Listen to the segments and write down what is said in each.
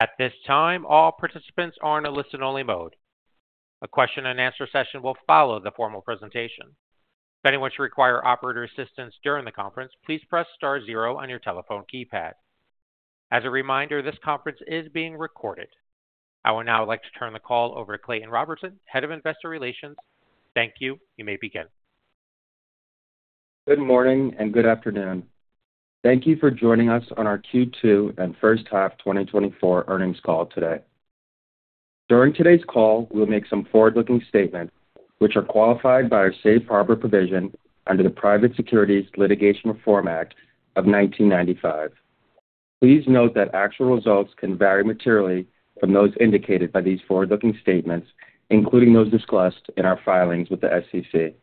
At this time, all participants are in a listen-only mode. A question and answer session will follow the formal presentation. If anyone should require operator assistance during the conference, please press star zero on your telephone keypad. As a reminder, this conference is being recorded. I would now like to turn the call over to Clayton Robertson, Head of Investor Relations. Thank you. You may begin. Good morning and good afternoon. Thank you for joining us on our Q2 and first half 2024 earnings call today. During today's call, we'll make some forward-looking statements which are qualified by our safe harbor provision under the Private Securities Litigation Reform Act of 1995. Please note that actual results can vary materially from those indicated by these forward-looking statements, including those discussed in our filings with the SEC.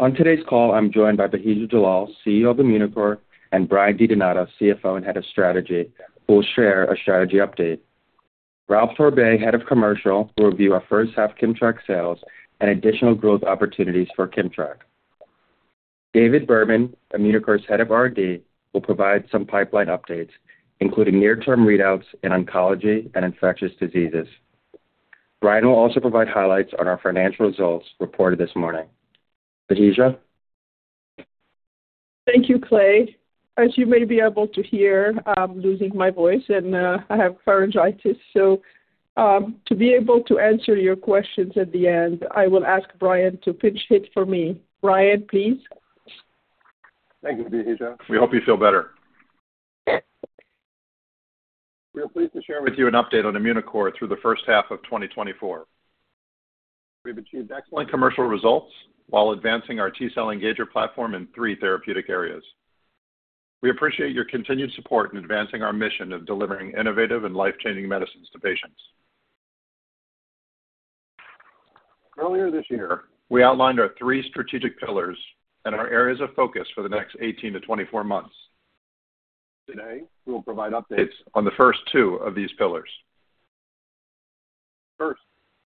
On today's call, I'm joined by Bahija Jallal, CEO of Immunocore, and Brian DiDonato, CFO and Head of Strategy, who will share a strategy update. Ralph Torbay, Head of Commercial, will review our first half KIMMTRAK sales and additional growth opportunities for KIMMTRAK. David Berman, Immunocore's Head of R&D, will provide some pipeline updates, including near-term readouts in oncology and infectious diseases. Brian will also provide highlights on our financial results reported this morning. Bahija? Thank you, Clay. As you may be able to hear, I'm losing my voice and, I have pharyngitis. So, to be able to answer your questions at the end, I will ask Brian to pinch hit for me. Brian, please. Thank you, Bahija. We hope you feel better. We are pleased to share with you an update on Immunocore through the first half of 2024. We've achieved excellent commercial results while advancing our T-cell engager platform in three therapeutic areas. We appreciate your continued support in advancing our mission of delivering innovative and life-changing medicines to patients. Earlier this year, we outlined our three strategic pillars and our areas of focus for the next 18-24 months. Today, we will provide updates on the first two of these pillars. First,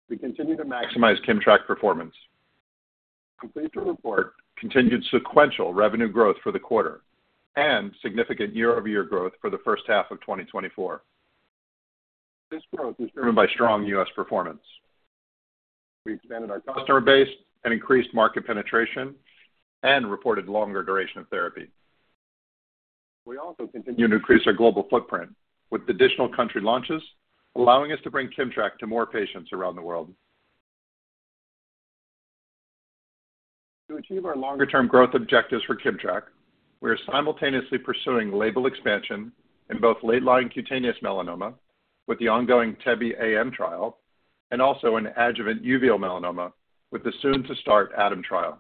we continue to maximize KIMMTRAK performance. We're pleased to report continued sequential revenue growth for the quarter and significant year-over-year growth for the first half of 2024. This growth is driven by strong U.S. performance. We expanded our customer base and increased market penetration and reported longer duration of therapy. We also continue to increase our global footprint with additional country launches, allowing us to bring KIMMTRAK to more patients around the world. To achieve our longer-term growth objectives for KIMMTRAK, we are simultaneously pursuing label expansion in both late-line cutaneous melanoma with the ongoing TEBE-AM trial, and also in adjuvant uveal melanoma with the soon-to-start ATOM trial.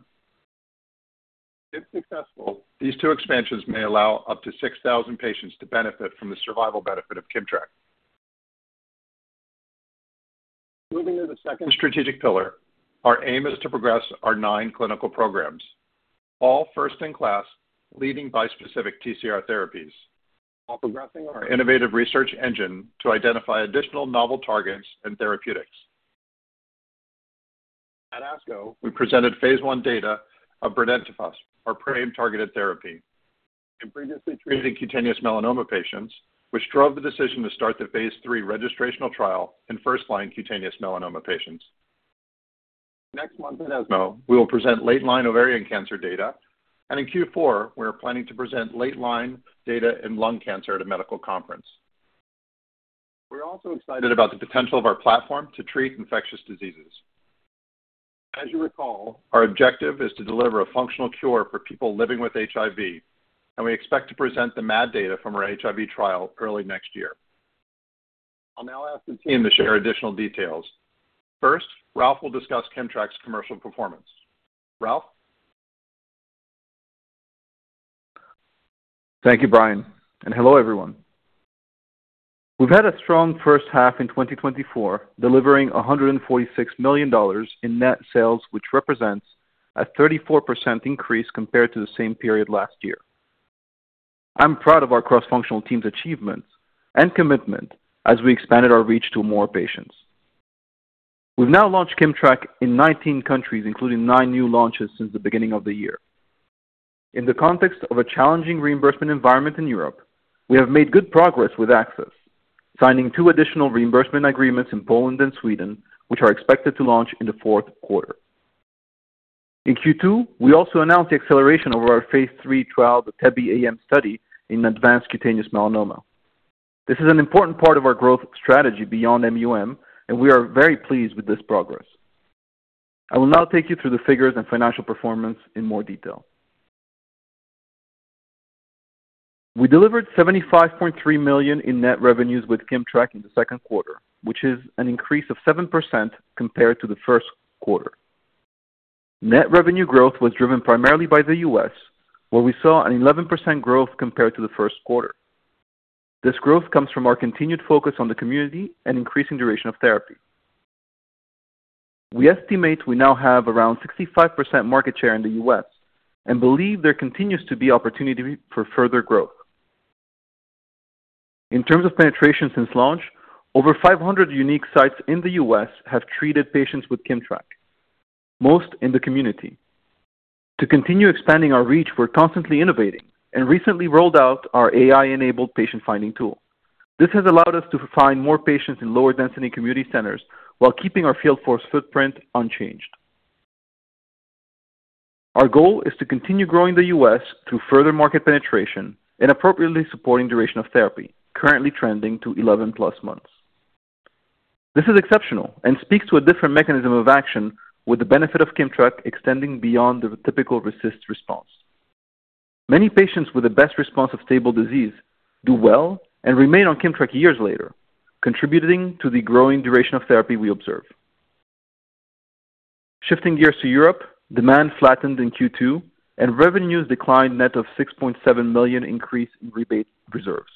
If successful, these two expansions may allow up to 6,000 patients to benefit from the survival benefit of KIMMTRAK. Moving to the second strategic pillar, our aim is to progress our nine clinical programs, all first-in-class, leading bispecific TCR therapies, while progressing our innovative research engine to identify additional novel targets and therapeutics. At ASCO, we presented phase I data of brenetafusp, our PRAME-targeted therapy in previously treated cutaneous melanoma patients, which drove the decision to start the phase III registrational trial in first-line cutaneous melanoma patients. Next month at ESMO, we will present late-line ovarian cancer data, and in Q4, we're planning to present late-line data in lung cancer at a medical conference. We're also excited about the potential of our platform to treat infectious diseases. As you recall, our objective is to deliver a functional cure for people living with HIV, and we expect to present the MAD data from our HIV trial early next year. I'll now ask the team to share additional details. First, Ralph will discuss KIMMTRAK's commercial performance. Ralph? Thank you, Brian, and hello, everyone. We've had a strong first half in 2024, delivering $146 million in net sales, which represents a 34% increase compared to the same period last year. I'm proud of our cross-functional team's achievements and commitment as we expanded our reach to more patients. We've now launched KIMMTRAK in 19 countries, including nine new launches since the beginning of the year. In the context of a challenging reimbursement environment in Europe, we have made good progress with access, signing two additional reimbursement agreements in Poland and Sweden, which are expected to launch in the fourth quarter. In Q2, we also announced the acceleration of our phase III trial, the TEBE-AM study, in advanced cutaneous melanoma. This is an important part of our growth strategy beyond MUM, and we are very pleased with this progress. I will now take you through the figures and financial performance in more detail. We delivered $75.3 million in net revenues with KIMMTRAK in the second quarter, which is an increase of 7% compared to the first quarter. Net revenue growth was driven primarily by the US, where we saw an 11% growth compared to the first quarter. This growth comes from our continued focus on the community and increasing duration of therapy. We estimate we now have around 65% market share in the US and believe there continues to be opportunity for further growth. In terms of penetration since launch, over 500 unique sites in the US have treated patients with KIMMTRAK, most in the community.... To continue expanding our reach, we're constantly innovating and recently rolled out our AI-enabled patient finding tool. This has allowed us to find more patients in lower density community centers while keeping our field force footprint unchanged. Our goal is to continue growing the U.S. through further market penetration and appropriately supporting duration of therapy, currently trending to 11+ months. This is exceptional and speaks to a different mechanism of action, with the benefit of KIMMTRAK extending beyond the typical RECIST response. Many patients with the best response of stable disease do well and remain on KIMMTRAK years later, contributing to the growing duration of therapy we observe. Shifting gears to Europe, demand flattened in Q2, and revenues declined net of $6.7 million increase in rebate reserves.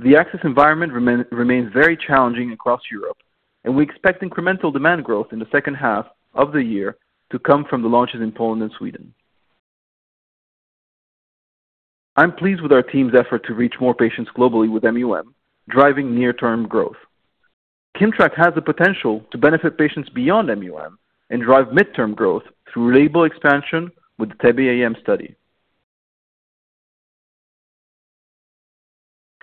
The access environment remains very challenging across Europe, and we expect incremental demand growth in the second half of the year to come from the launches in Poland and Sweden. I'm pleased with our team's effort to reach more patients globally with MUM, driving near-term growth. KIMMTRAK has the potential to benefit patients beyond MUM and drive midterm growth through label expansion with the TEBE-AM study.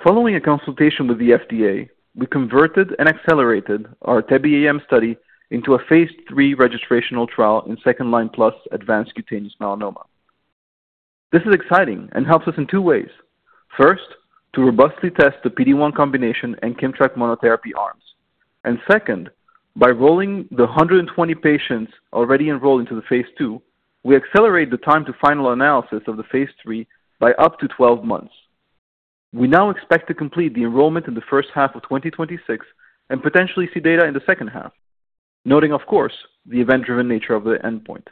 Following a consultation with the FDA, we converted and accelerated our TEBE-AM study into a phase III registrational trial in second-line plus advanced cutaneous melanoma. This is exciting and helps us in two ways. First, to robustly test the PD-1 combination and KIMMTRAK monotherapy arms, and second, by rolling the 120 patients already enrolled into the phase II, we accelerate the time to final analysis of the phase III by up to 12 months. We now expect to complete the enrollment in the first half of 2026 and potentially see data in the second half, noting, of course, the event-driven nature of the endpoint.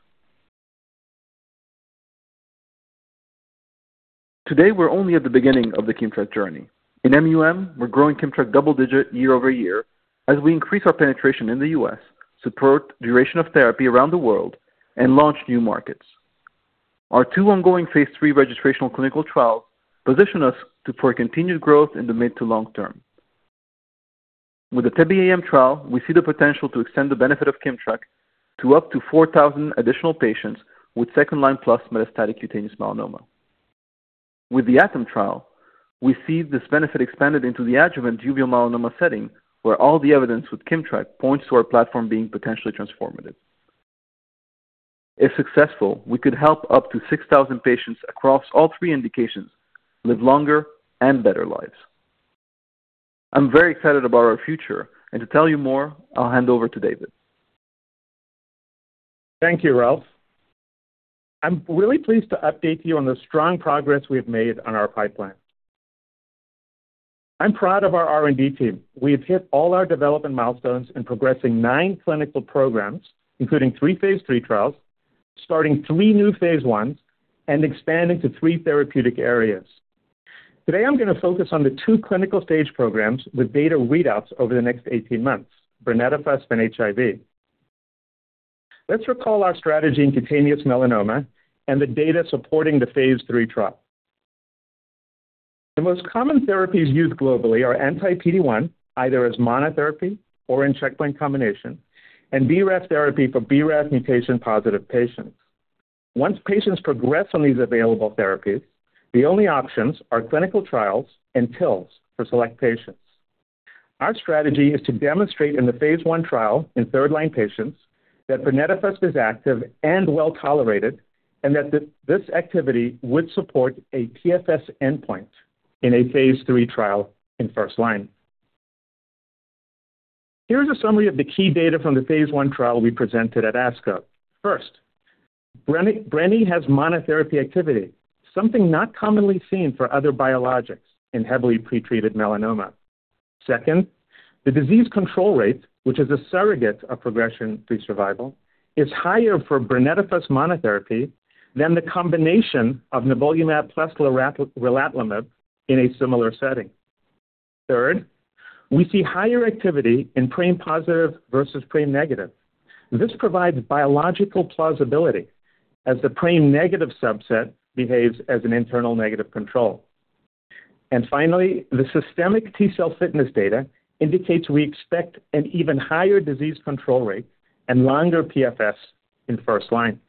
Today, we're only at the beginning of the KIMMTRAK journey. In MUM, we're growing KIMMTRAK double-digit year-over-year as we increase our penetration in the US, support duration of therapy around the world, and launch new markets. Our two ongoing phase III registrational clinical trials position us to for continued growth in the mid- to long-term. With the TEBE-AM trial, we see the potential to extend the benefit of KIMMTRAK to up to 4,000 additional patients with second-line+ metastatic cutaneous melanoma. With the ATOM trial, we see this benefit expanded into the adjuvant uveal melanoma setting, where all the evidence with KIMMTRAK points to our platform being potentially transformative. If successful, we could help up to 6,000 patients across all three indications live longer and better lives. I'm very excited about our future, and to tell you more, I'll hand over to David. Thank you, Ralph. I'm really pleased to update you on the strong progress we have made on our pipeline. I'm proud of our R&D team. We have hit all our development milestones in progressing nine clinical programs, including three phase three trials, starting three new phase ones, and expanding to three therapeutic areas. Today, I'm gonna focus on the two clinical stage programs with data readouts over the next 18 months, brenetafusp and HIV. Let's recall our strategy in cutaneous melanoma and the data supporting the phase three trial. The most common therapies used globally are anti-PD-1, either as monotherapy or in checkpoint combination, and BRAF therapy for BRAF mutation-positive patients. Once patients progress on these available therapies, the only options are clinical trials and pills for select patients. Our strategy is to demonstrate in the phase one trial in third-line patients that brenetafusp is active and well tolerated, and that this activity would support a PFS endpoint in a phase three trial in first line. Here's a summary of the key data from the phase one trial we presented at ASCO. First, brenetafusp has monotherapy activity, something not commonly seen for other biologics in heavily pretreated melanoma. Second, the disease control rate, which is a surrogate of progression-free survival, is higher for brenetafusp monotherapy than the combination of nivolumab plus relatlimab in a similar setting. Third, we see higher activity in brain-positive versus brain-negative. This provides biological plausibility as the brain-negative subset behaves as an internal negative control. And finally, the systemic T-cell fitness data indicates we expect an even higher disease control rate and longer PFS in first line.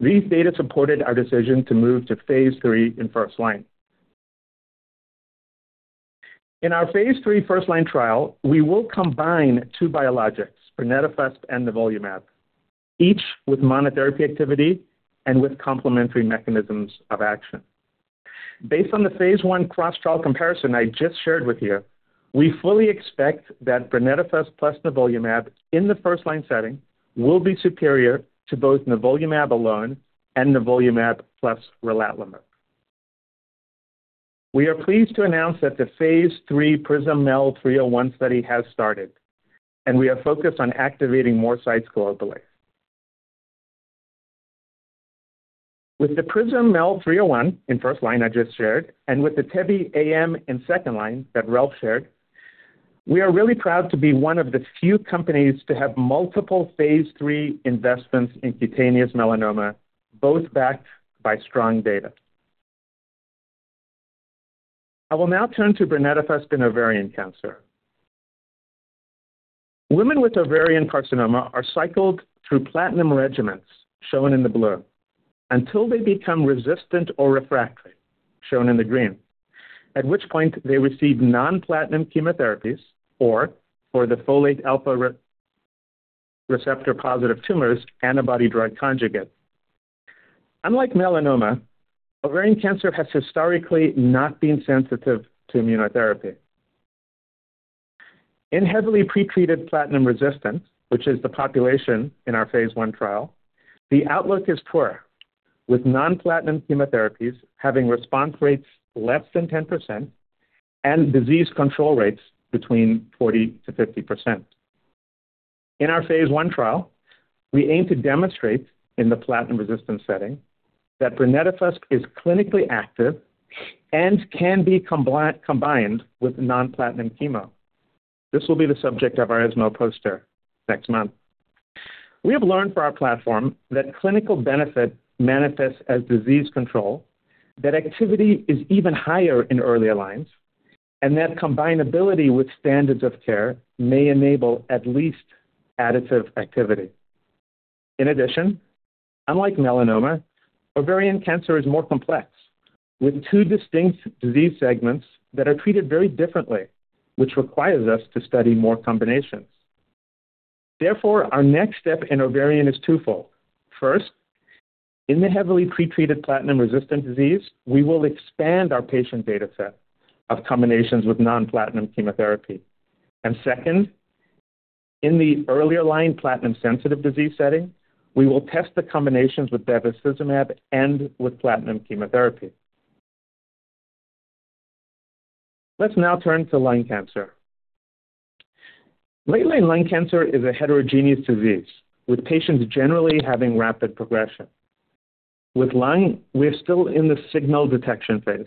These data supported our decision to move to phase III in first-line. In our phase III first-line trial, we will combine two biologics, brenetafusp and nivolumab, each with monotherapy activity and with complementary mechanisms of action. Based on the phase I cross-trial comparison I just shared with you, we fully expect that brenetafusp plus nivolumab in the first-line setting will be superior to both nivolumab alone and nivolumab plus relatlimab. We are pleased to announce that the phase III PRISM-MEL-301 study has started, and we are focused on activating more sites globally. With the PRISM-MEL-301 in first-line I just shared, and with the TEBE-AM in second-line that Ralph shared, we are really proud to be one of the few companies to have multiple phase III investments in cutaneous melanoma, both backed by strong data. I will now turn to brenetafusp in ovarian cancer. Women with ovarian carcinoma are cycled through platinum regimens, shown in the blue, until they become resistant or refractory, shown in the green, at which point they receive non-platinum chemotherapies or for the folate receptor alpha-positive tumors, antibody-drug conjugates. Unlike melanoma, ovarian cancer has historically not been sensitive to immunotherapy. In heavily pretreated platinum resistance, which is the population in our phase one trial, the outlook is poor, with non-platinum chemotherapies having response rates less than 10% and disease control rates between 40%-50%. In our phase one trial, we aim to demonstrate in the platinum-resistant setting that brenetafusp is clinically active and can be combined with non-platinum chemo. This will be the subject of our ESMO poster next month. We have learned from our platform that clinical benefit manifests as disease control, that activity is even higher in earlier lines, and that combinability with standards of care may enable at least additive activity. In addition, unlike melanoma, ovarian cancer is more complex, with two distinct disease segments that are treated very differently, which requires us to study more combinations. Therefore, our next step in ovarian is twofold. First, in the heavily pretreated platinum-resistant disease, we will expand our patient data set of combinations with non-platinum chemotherapy. And second, in the earlier line, platinum-sensitive disease setting, we will test the combinations with bevacizumab and with platinum chemotherapy. Let's now turn to lung cancer. Late-line lung cancer is a heterogeneous disease, with patients generally having rapid progression. With lung, we're still in the signal detection phase.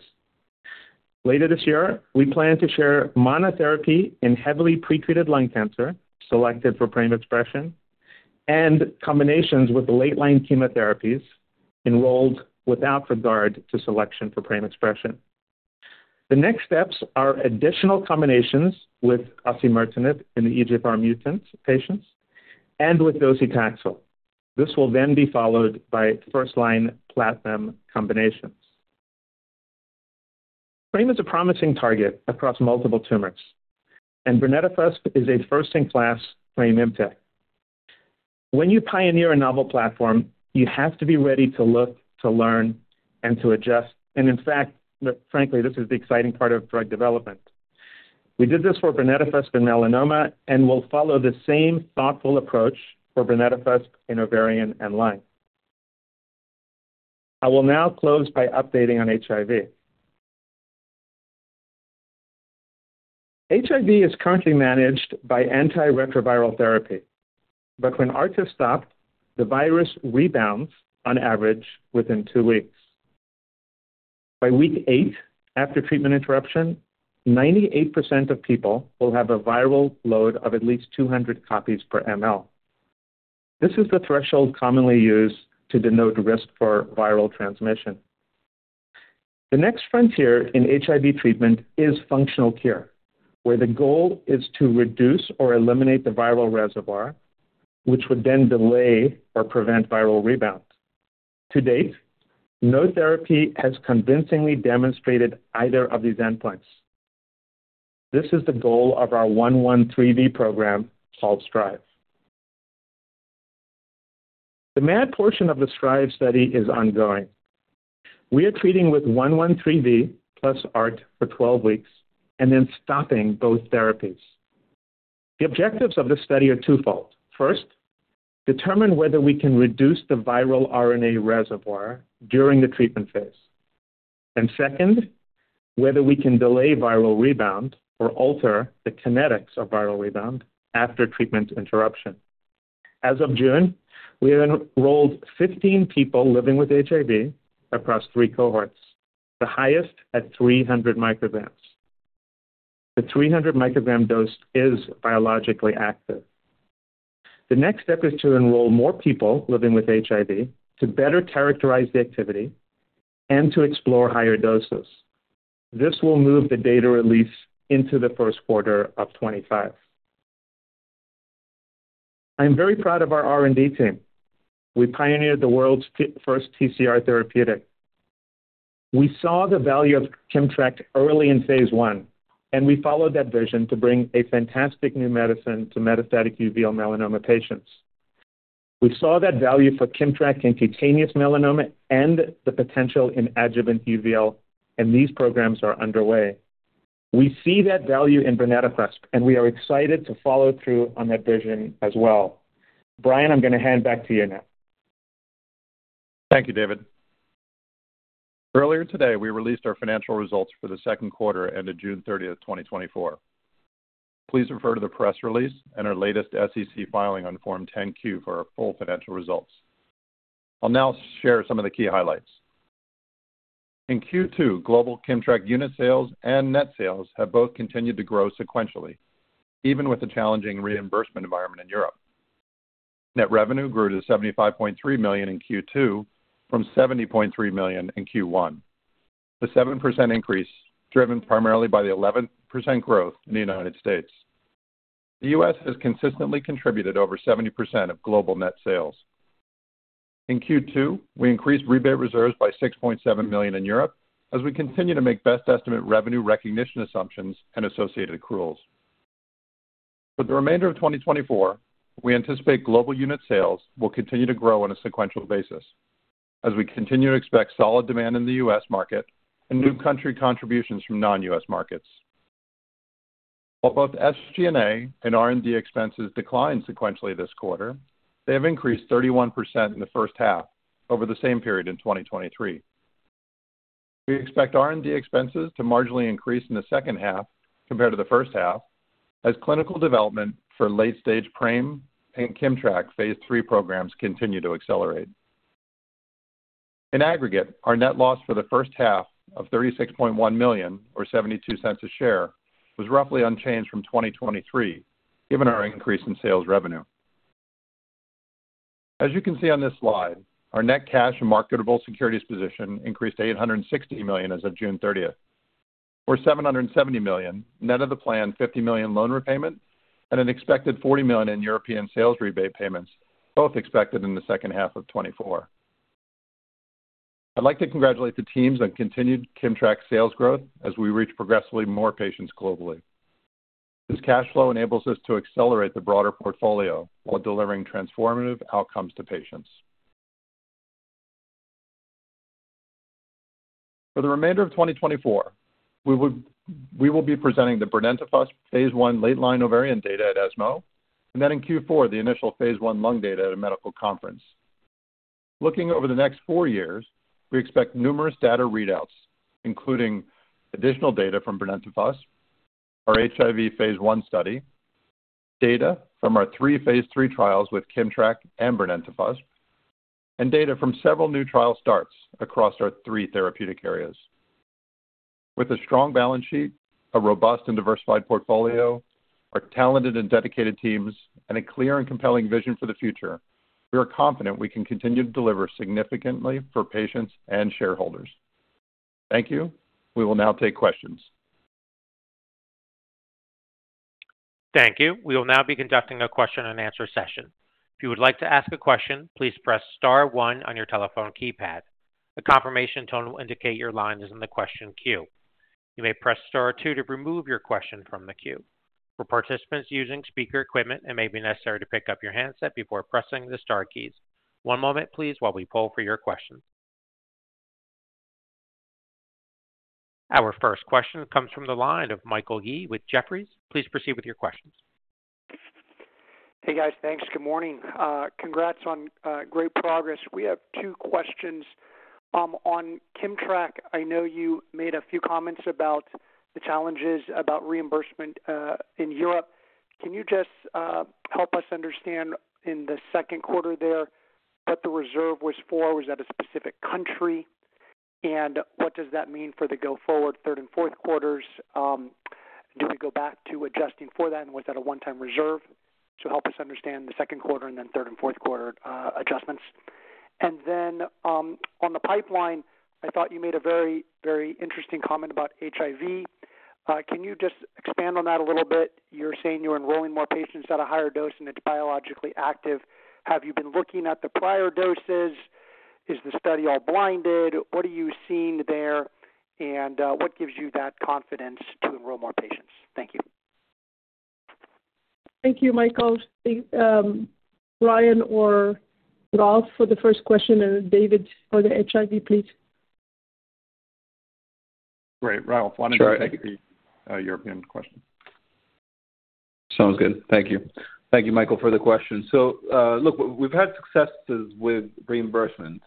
Later this year, we plan to share monotherapy in heavily pretreated lung cancer, selected for FRα expression, and combinations with late-line chemotherapies enrolled without regard to selection for FRα expression. The next steps are additional combinations with osimertinib in the EGFR mutant patients and with docetaxel. This will then be followed by first-line platinum combinations. FRα is a promising target across multiple tumors, and brenetafusp is a first-in-class FRα ImmTAC. When you pioneer a novel platform, you have to be ready to look, to learn, and to adjust, and in fact, frankly, this is the exciting part of drug development. We did this for brenetafusp and melanoma, and we'll follow the same thoughtful approach for brenetafusp in ovarian and lung. I will now close by updating on HIV. HIV is currently managed by antiretroviral therapy, but when ART is stopped, the virus rebounds on average within two weeks. By week eight, after treatment interruption, 98% of people will have a viral load of at least 200 copies per ml. This is the threshold commonly used to denote risk for viral transmission. The next frontier in HIV treatment is functional cure, where the goal is to reduce or eliminate the viral reservoir, which would then delay or prevent viral rebound. To date, no therapy has convincingly demonstrated either of these endpoints. This is the goal of our 113V program called STRIVE. The MAD portion of the STRIVE study is ongoing. We are treating with 113V plus ART for 12 weeks and then stopping both therapies. The objectives of this study are twofold. First, determine whether we can reduce the viral RNA reservoir during the treatment phase. And second, whether we can delay viral rebound or alter the kinetics of viral rebound after treatment interruption. As of June, we have enrolled 15 people living with HIV across three cohorts, the highest at 300 mcg. The 300 mcg dose is biologically active. The next step is to enroll more people living with HIV to better characterize the activity and to explore higher doses. This will move the data release into the first quarter of 2025. I am very proud of our R&D team. We pioneered the world's first TCR therapeutic. We saw the value of KIMMTRAK early in phase I, and we followed that vision to bring a fantastic new medicine to metastatic uveal melanoma patients. We saw that value for KIMMTRAK in cutaneous melanoma and the potential in adjuvant uveal, and these programs are underway. We see that value in brenetafusp, and we are excited to follow through on that vision as well. Brian, I'm going to hand back to you now. Thank you, David. Earlier today, we released our financial results for the second quarter ended June 30, 2024. Please refer to the press release and our latest SEC filing on Form 10-Q for our full financial results. I'll now share some of the key highlights. In Q2, global KIMMTRAK unit sales and net sales have both continued to grow sequentially, even with the challenging reimbursement environment in Europe. Net revenue grew to $75.3 million in Q2 from $70.3 million in Q1. The 7% increase, driven primarily by the 11% growth in the United States. The U.S. has consistently contributed over 70% of global net sales. In Q2, we increased rebate reserves by $6.7 million in Europe as we continue to make best estimate revenue recognition assumptions and associated accruals. For the remainder of 2024, we anticipate global unit sales will continue to grow on a sequential basis as we continue to expect solid demand in the U.S. market and new country contributions from non-U.S. markets. While both SG&A and R&D expenses declined sequentially this quarter, they have increased 31% in the first half over the same period in 2023. We expect R&D expenses to marginally increase in the second half compared to the first half, as clinical development for late-stage PRAME and KIMMTRAK Phase III programs continue to accelerate. In aggregate, our net loss for the first half of $36.1 million, or $0.72 a share, was roughly unchanged from 2023, given our increase in sales revenue. As you can see on this slide, our net cash and marketable securities position increased to $860 million as of June 30, or $770 million net of the planned $50 million loan repayment and an expected $40 million in European sales rebate payments, both expected in the second half of 2024. I'd like to congratulate the teams on continued KIMMTRAK sales growth as we reach progressively more patients globally. This cash flow enables us to accelerate the broader portfolio while delivering transformative outcomes to patients. For the remainder of 2024, we will be presenting the brenetafusp phase I late-line ovarian data at ESMO, and then in Q4, the initial phase I lung data at a medical conference. Looking over the next four years, we expect numerous data readouts, including additional data from brenetafusp, our HIV phase I study, data from our three phase III trials with KIMMTRAK and brenetafusp, and data from several new trial starts across our three therapeutic areas. With a strong balance sheet, a robust and diversified portfolio, our talented and dedicated teams, and a clear and compelling vision for the future, we are confident we can continue to deliver significantly for patients and shareholders. Thank you. We will now take questions. Thank you. We will now be conducting a question-and-answer session. If you would like to ask a question, please press star one on your telephone keypad. The confirmation tone will indicate your line is in the question queue. You may press star two to remove your question from the queue. For participants using speaker equipment, it may be necessary to pick up your handset before pressing the star keys. One moment, please, while we poll for your questions. Our first question comes from the line of Michael Yee with Jefferies. Please proceed with your questions. Hey, guys. Thanks. Good morning. Congrats on great progress. We have two questions. On KIMMTRAK, I know you made a few comments about the challenges about reimbursement in Europe. Can you just help us understand in the second quarter there, what the reserve was for? Was that a specific country? And what does that mean for the go forward, third and fourth quarters? Do we go back to adjusting for that, and was that a one-time reserve? So help us understand the second quarter and then third and fourth quarter adjustments. And then, on the pipeline, I thought you made a very, very interesting comment about HIV. Can you just expand on that a little bit? You're saying you're enrolling more patients at a higher dose and it's biologically active. Have you been looking at the prior doses? Is the study all blinded? What are you seeing there, and, what gives you that confidence to enroll more patients? Thank you. Thank you, Michael. Brian or Ralph, for the first question, and David for the HIV, please. Great. Ralph, why don't you take the European question? Sounds good. Thank you. Thank you, Michael, for the question. So, look, we've had successes with reimbursement,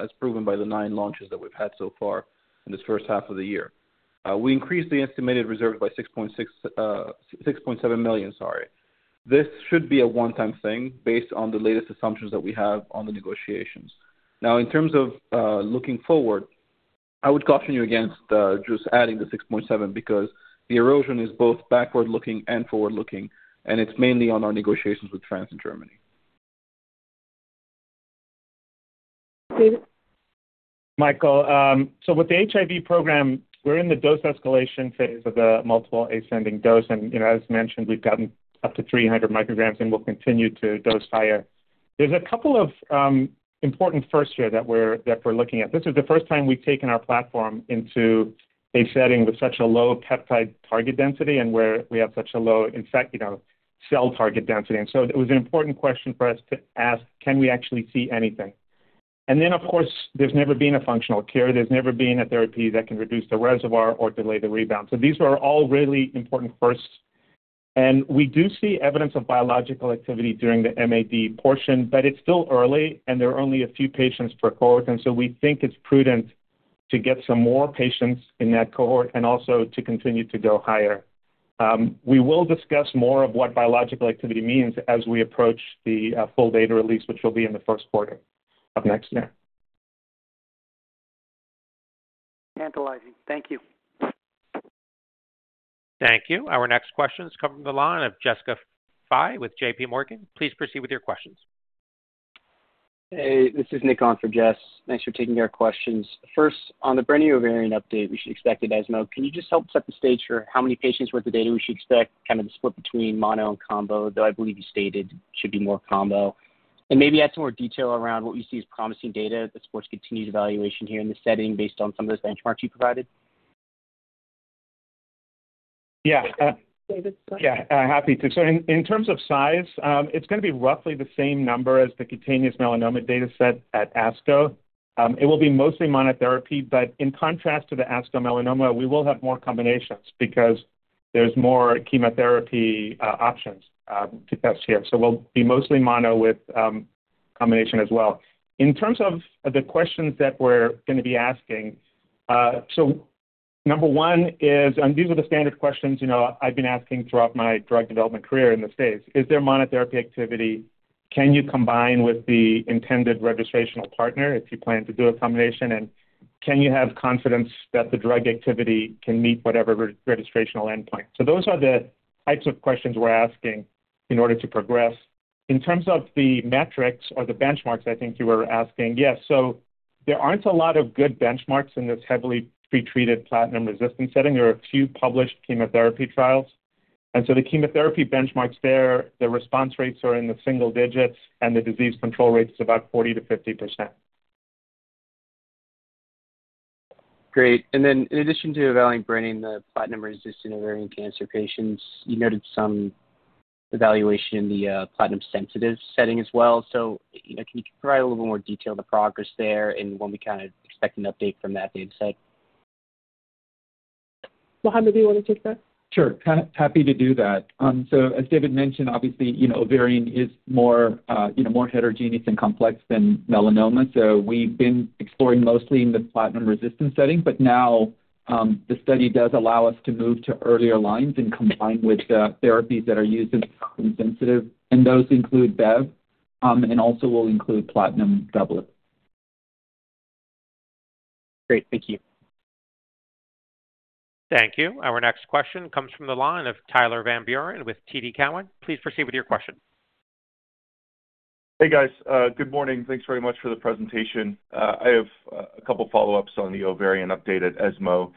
as proven by the nine launches that we've had so far in this first half of the year. We increased the estimated reserve by $6.6, $6.7 million, sorry. This should be a one-time thing based on the latest assumptions that we have on the negotiations. Now, in terms of looking forward, I would caution you against just adding the $6.7, because the erosion is both backward-looking and forward-looking, and it's mainly on our negotiations with France and Germany. David? Michael, so with the HIV program, we're in the dose escalation phase of the multiple ascending dose, and as mentioned, we've gotten up to 300 mcg and we'll continue to dose higher. There's a couple of important first here that we're, that we're looking at. This is the first time we've taken our platform into a setting with such a low peptide target density and where we have such a low, in fact, you know, cell target density. And so it was an important question for us to ask, can we actually see anything? And then, of course, there's never been a functional cure. There's never been a therapy that can reduce the reservoir or delay the rebound. These are all really important firsts, and we do see evidence of biological activity during the MAD portion, but it's still early and there are only a few patients per cohort, and so we think it's prudent to get some more patients in that cohort and also to continue to go higher. We will discuss more of what biological activity means as we approach the full data release, which will be in the first quarter of next year.... tantalizing. Thank you. Thank you. Our next question is coming from the line of Jessica Fye with JPMorgan. Please proceed with your questions. Hey, this is Nick on for Jess. Thanks for taking our questions. First, on the brenetafusp ovarian update we should expect at ESMO, can you just help set the stage for how many patients worth of data we should expect, kind of the split between mono and combo, though I believe you stated should be more combo? And maybe add some more detail around what you see as promising data that supports continued evaluation here in the setting based on some of those benchmarks you provided. Yeah. Uh- David, go ahead. Yeah, happy to. So in terms of size, it's gonna be roughly the same number as the cutaneous melanoma data set at ASCO. It will be mostly monotherapy, but in contrast to the ASCO melanoma, we will have more combinations because there's more chemotherapy options to test here. So we'll be mostly mono with combination as well. In terms of the questions that we're gonna be asking, so number one is, and these are the standard questions, you know, I've been asking throughout my drug development career in the States: Is there monotherapy activity? Can you combine with the intended registrational partner if you plan to do a combination? And can you have confidence that the drug activity can meet whatever registrational endpoint? So those are the types of questions we're asking in order to progress. In terms of the metrics or the benchmarks, I think you were asking, yes, so there aren't a lot of good benchmarks in this heavily pretreated platinum-resistant setting. There are a few published chemotherapy trials, and so the chemotherapy benchmarks there, the response rates are in the single digits, and the disease control rate is about 40%-50%. Great. And then in addition to evaluating brenetafusp in the platinum-resistant ovarian cancer patients, you noted some evaluation in the platinum-sensitive setting as well. So, you know, can you provide a little more detail on the progress there and when we kind of expect an update from that data set? Mohammed, do you want to take that? Sure. Happy to do that. So as David mentioned, obviously, you know, ovarian is more, you know, more heterogeneous and complex than melanoma. So we've been exploring mostly in the platinum-resistant setting, but now, the study does allow us to move to earlier lines and combine with the therapies that are used in platinum sensitive, and those include Bev, and also will include platinum doublet. Great, thank you. Thank you. Our next question comes from the line of Tyler Van Buren with TD Cowen. Please proceed with your question. Hey, guys. Good morning. Thanks very much for the presentation. I have a couple follow-ups on the ovarian update at ESMO.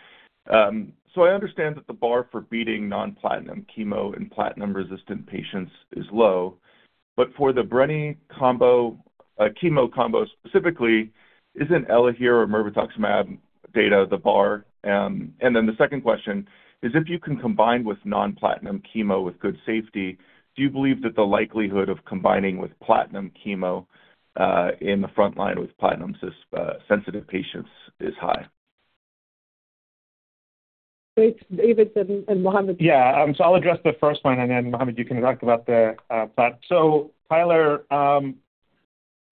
So I understand that the bar for beating non-platinum chemo in platinum-resistant patients is low, but for the brenetafusp combo, chemo combo, specifically, isn't Elahere or mirvetuximab data the bar? And then the second question is, if you can combine with non-platinum chemo with good safety, do you believe that the likelihood of combining with platinum chemo, in the front line with platinum-sensitive patients is high? It's David and Mohammed. Yeah, so I'll address the first one, and then, Mohammed, you can talk about the platinum. So Tyler, the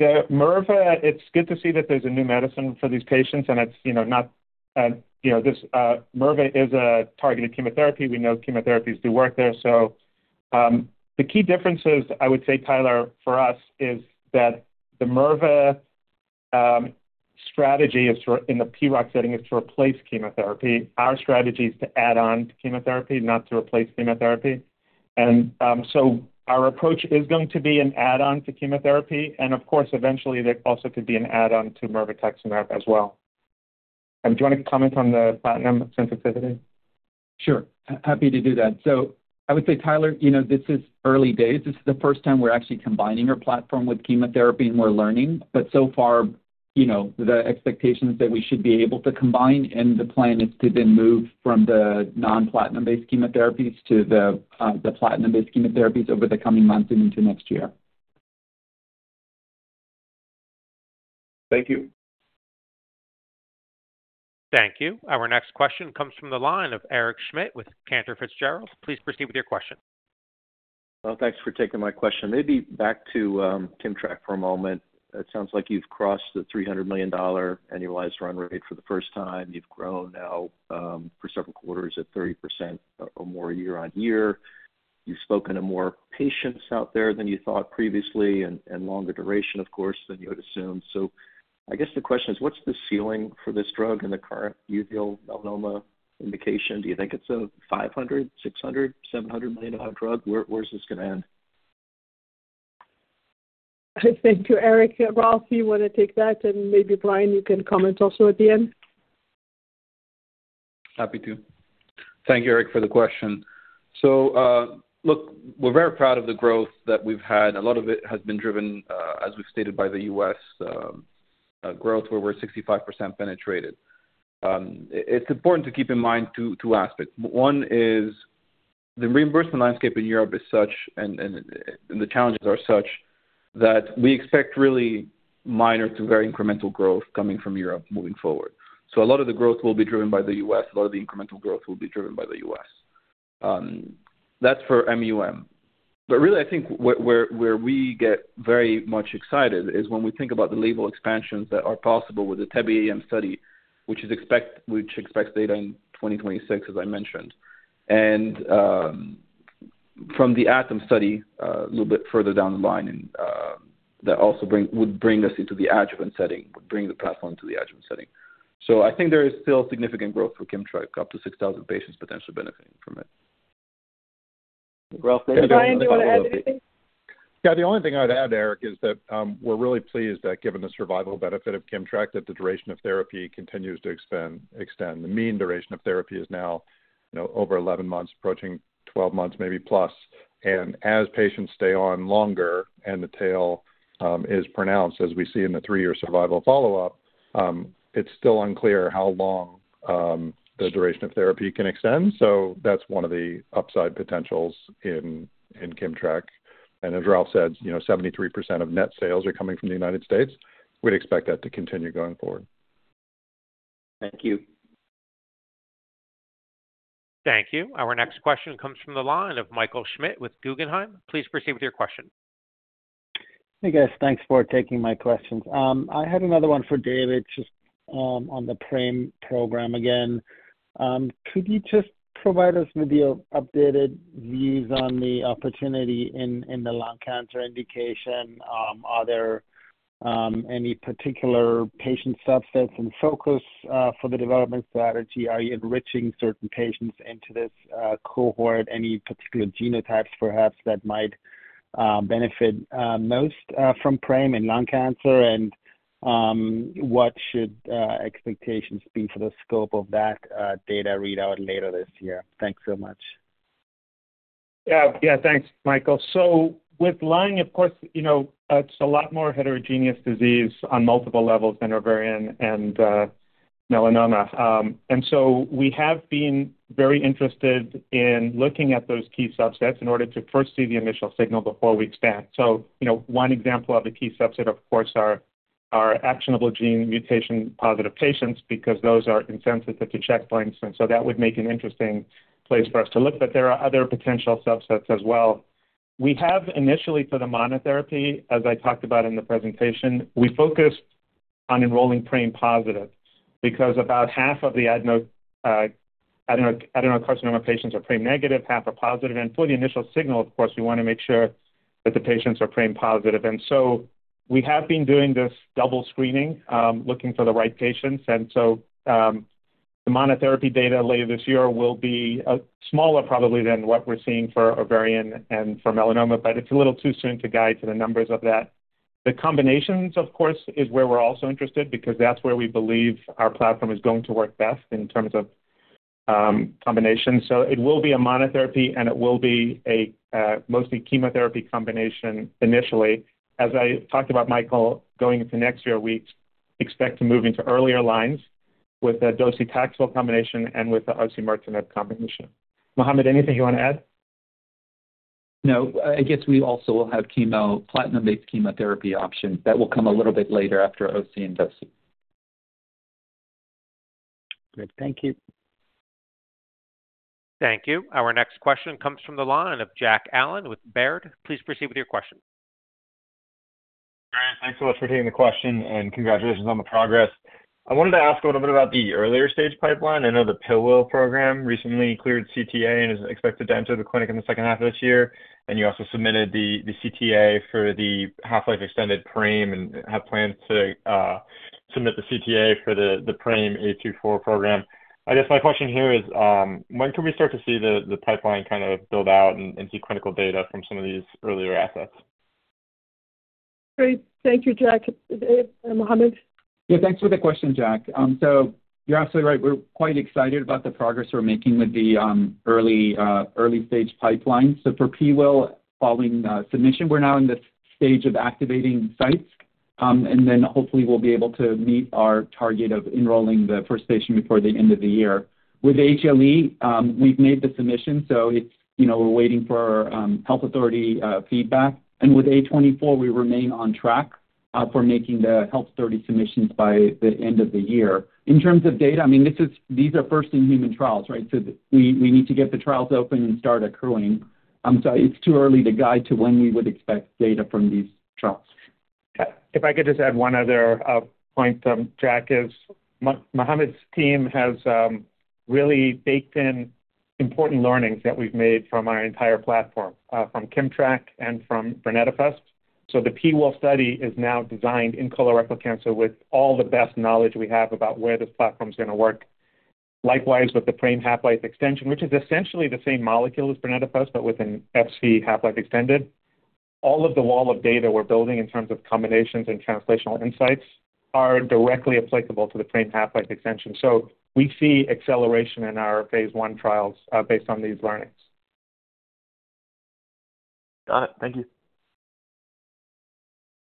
MIRV, it's good to see that there's a new medicine for these patients, and it's, you know, not, you know, this MIRV is a targeted chemotherapy. We know chemotherapies do work there. So, the key differences, I would say, Tyler, for us, is that the MIRV strategy is to, in the PR setting, is to replace chemotherapy. Our strategy is to add on to chemotherapy, not to replace chemotherapy. And, so our approach is going to be an add-on to chemotherapy, and of course, eventually, there also could be an add-on to mirvetuximab as well. Do you want to comment on the platinum sensitivity? Sure. Happy to do that. So I would say, Tyler, you know, this is early days. This is the first time we're actually combining our platform with chemotherapy, and we're learning. But so far, you know, the expectations that we should be able to combine, and the plan is to then move from the non-platinum-based chemotherapies to the, the platinum-based chemotherapies over the coming months and into next year. Thank you. Thank you. Our next question comes from the line of Eric Schmidt with Cantor Fitzgerald. Please proceed with your question. Well, thanks for taking my question. Maybe back to KIMMTRAK for a moment. It sounds like you've crossed the $300 million annualized run rate for the first time. You've grown now for several quarters at 30% or more year-over-year. You've spoken to more patients out there than you thought previously and longer duration, of course, than you had assumed. So I guess the question is, what's the ceiling for this drug in the current uveal melanoma indication? Do you think it's a $500, $600, $700 million drug? Where is this gonna end? I think to Eric, Ralph, you want to take that, and maybe, Brian, you can comment also at the end. Happy to. Thank you, Eric, for the question. So, look, we're very proud of the growth that we've had. A lot of it has been driven, as we've stated, by the U.S., growth, where we're 65% penetrated. It's important to keep in mind two aspects. One is the reimbursement landscape in Europe is such, and the challenges are such, that we expect really minor to very incremental growth coming from Europe moving forward. So a lot of the growth will be driven by the U.S. A lot of the incremental growth will be driven by the U.S. That's for MUM. But really, I think where we get very much excited is when we think about the label expansions that are possible with the TEBE-AM study, which expects data in 2026, as I mentioned.... from the ATOM study, a little bit further down the line, and, that also bring, would bring us into the adjuvant setting, bring the platform to the adjuvant setting. So I think there is still significant growth for KIMMTRAK, up to 6,000 patients potentially benefiting from it. Yeah, the only thing I'd add, Eric, is that we're really pleased that given the survival benefit of KIMMTRAK, that the duration of therapy continues to extend, extend. The mean duration of therapy is now, you know, over 11 months, approaching 12 months, maybe plus. And as patients stay on longer and the tail is pronounced, as we see in the 3-year survival follow-up, it's still unclear how long the duration of therapy can extend. So that's one of the upside potentials in KIMMTRAK. And as Ralph said, you know, 73% of net sales are coming from the United States. We'd expect that to continue going forward. Thank you. Thank you. Our next question comes from the line of Michael Schmidt with Guggenheim. Please proceed with your question. Hey, guys. Thanks for taking my questions. I had another one for David, just, on the PRAME program again. Could you just provide us with the updated views on the opportunity in the lung cancer indication? Are there any particular patient subsets and focus for the development strategy? Are you enriching certain patients into this cohort? Any particular genotypes, perhaps, that might benefit most from PRAME and lung cancer? And what should expectations be for the scope of that data readout later this year? Thanks so much. Yeah. Yeah, thanks, Michael. So with lung, of course, you know, it's a lot more heterogeneous disease on multiple levels than ovarian and melanoma. And so we have been very interested in looking at those key subsets in order to first see the initial signal before we expand. So, you know, one example of a key subset, of course, are actionable gene mutation-positive patients, because those are insensitive to checkpoint for instance. So that would make an interesting place for us to look, but there are other potential subsets as well. We have initially, for the monotherapy, as I talked about in the presentation, we focused on enrolling PRAME positive because about half of the adenocarcinoma patients are PRAME negative, half are positive. And for the initial signal, of course, we want to make sure that the patients are PRAME positive. We have been doing this double screening, looking for the right patients. The monotherapy data later this year will be smaller probably than what we're seeing for ovarian and for melanoma, but it's a little too soon to guide to the numbers of that. The combinations, of course, is where we're also interested because that's where we believe our platform is going to work best in terms of combination. It will be a monotherapy, and it will be a mostly chemotherapy combination initially. As I talked about, Michael, going into next year, we expect to move into earlier lines with a docetaxel combination and with the osimertinib combination. Mohammed, anything you want to add? No. I guess we also will have chemo, platinum-based chemotherapy options that will come a little bit later after osimertinib and docetaxel. Great. Thank you. Thank you. Our next question comes from the line of Jack Allen with Baird. Please proceed with your question. Great. Thanks so much for taking the question and congratulations on the progress. I wanted to ask a little bit about the earlier stage pipeline. I know the PIWIL1 program recently cleared CTA and is expected to enter the clinic in the second half of this year, and you also submitted the CTA for the half-life extended PRAME and have plans to submit the CTA for the PRAME A24 program. I guess my question here is, when can we start to see the pipeline kind of build out and see clinical data from some of these earlier assets? Great. Thank you, Jack. Mohammed? Yeah, thanks for the question, Jack. So you're absolutely right. We're quite excited about the progress we're making with the early stage pipeline. So for PIWIL1, following submission, we're now in the stage of activating sites, and then hopefully we'll be able to meet our target of enrolling the first patient before the end of the year. With HLE, we've made the submission, so it's, you know, we're waiting for health authority feedback. And with A24, we remain on track for making the health authority submissions by the end of the year. In terms of data, I mean, this is—these are first in human trials, right? So we need to get the trials open and start accruing. So it's too early to guide to when we would expect data from these trials. If I could just add one other point, Jack, is Mohammed's team has really baked in important learnings that we've made from our entire platform, from KIMMTRAK and from brenetafusp. So the PIWIL1 study is now designed in colorectal cancer with all the best knowledge we have about where this platform is gonna work. Likewise, with the PRAME half-life extension, which is essentially the same molecule as brenetafusp, but with an Fc half-life extended. All of the wall of data we're building in terms of combinations and translational insights are directly applicable to the PRAME half-life extension. So we see acceleration in our phase I trials, based on these learnings. Got it. Thank you.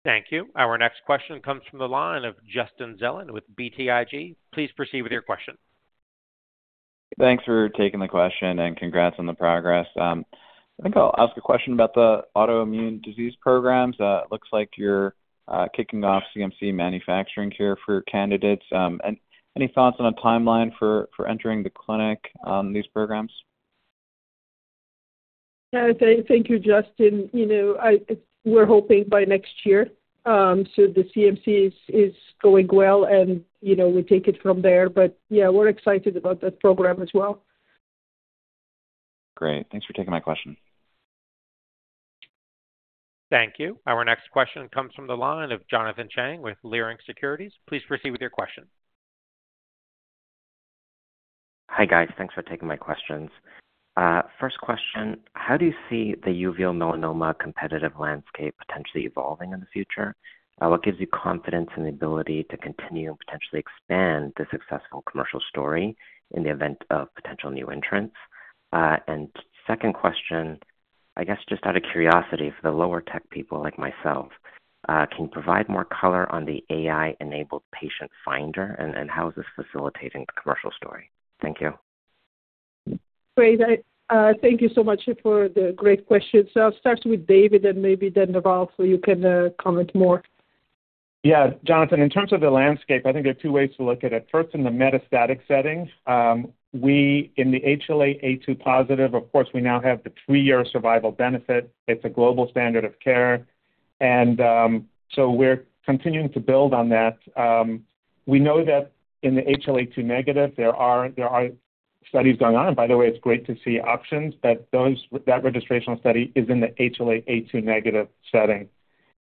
Thank you. Our next question comes from the line of Justin Zelin with BTIG. Please proceed with your question. Thanks for taking the question, and congrats on the progress. I think I'll ask a question about the autoimmune disease programs. It looks like you're kicking off CMC manufacturing here for your candidates. And any thoughts on a timeline for entering the clinic, these programs? Yeah, thank you, Justin. You know, we're hoping by next year. So the CMC is going well, and, you know, we take it from there. But yeah, we're excited about that program as well. Great. Thanks for taking my question. Thank you. Our next question comes from the line of Jonathan Chang with Leerink Securities. Please proceed with your question. Hi, guys. Thanks for taking my questions. First question, how do you see the uveal melanoma competitive landscape potentially evolving in the future? What gives you confidence in the ability to continue and potentially expand the successful commercial story in the event of potential new entrants? And second question, I guess, just out of curiosity, for the lower tech people like myself, can you provide more color on the AI-enabled patient finder, and, and how is this facilitating the commercial story? Thank you. Great. I thank you so much for the great questions. So I'll start with David and maybe then Ralph, so you can comment more. Yeah, Jonathan, in terms of the landscape, I think there are two ways to look at it. First, in the metastatic setting, in the HLA-A2 positive, of course, we now have the three-year survival benefit. It's a global standard of care, and so we're continuing to build on that. We know that in the HLA-A2 negative, there are studies going on. And by the way, it's great to see options, but that registrational study is in the HLA-A2 negative setting.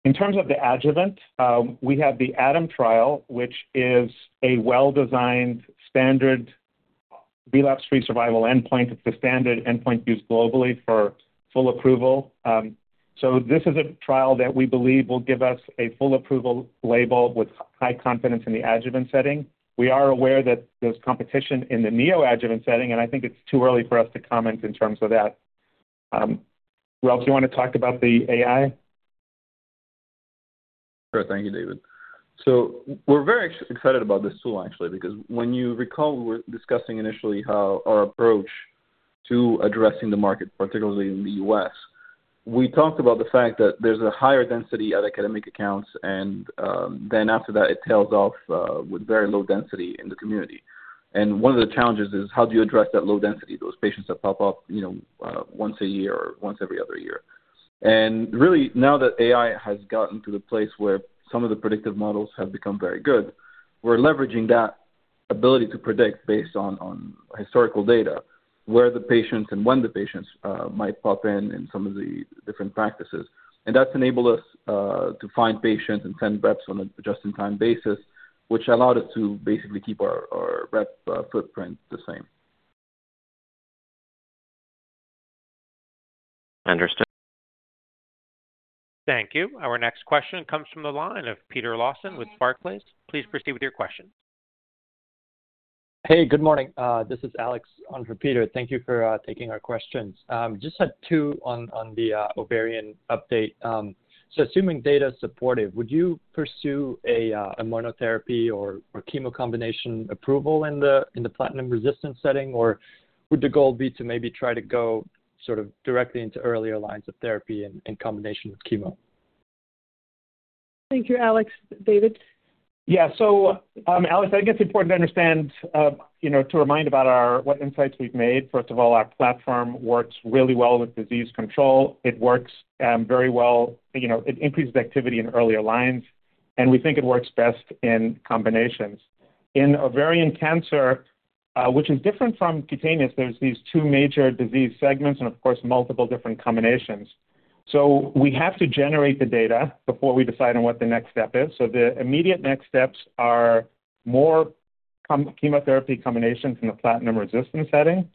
In terms of the adjuvant, we have the ATOM trial, which is a well-designed standard relapse-free survival endpoint. It's the standard endpoint used globally for full approval. So this is a trial that we believe will give us a full approval label with high confidence in the adjuvant setting. We are aware that there's competition in the neoadjuvant setting, and I think it's too early for us to comment in terms of that. Ralph, do you want to talk about the AI? Sure. Thank you, David. So we're very excited about this tool, actually, because when you recall, we were discussing initially how our approach to addressing the market, particularly in the U.S., we talked about the fact that there's a higher density at academic accounts, and then after that, it tails off with very low density in the community. And one of the challenges is how do you address that low density, those patients that pop up, you know, once a year or once every other year? And really, now that AI has gotten to the place where some of the predictive models have become very good, we're leveraging that ability to predict based on historical data, where the patients and when the patients might pop in, in some of the different practices. That's enabled us to find patients and send reps on a just-in-time basis, which allowed us to basically keep our rep footprint the same. Understood. Thank you. Our next question comes from the line of Peter Lawson with Barclays. Please proceed with your question. Hey, good morning. This is Alex on for Peter. Thank you for taking our questions. Just had two on the ovarian update. So assuming data is supportive, would you pursue a monotherapy or chemo combination approval in the platinum-resistant setting? Or would the goal be to maybe try to go sort of directly into earlier lines of therapy in combination with chemo? Thank you, Alex. David? Yeah. So, Alex, I think it's important to understand, you know, to remind about our what insights we've made. First of all, our platform works really well with disease control. It works, very well. You know, it increases activity in earlier lines, and we think it works best in combinations. In ovarian cancer, which is different from cutaneous, there's these two major disease segments and of course, multiple different combinations. So we have to generate the data before we decide on what the next step is. So the immediate next steps are more chemotherapy combinations in the platinum-resistant setting.